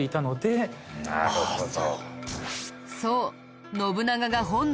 なるほど。